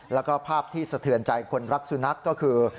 แล้วก็ภาพที่สะเทือนใจคนรักสุนัขก็คือ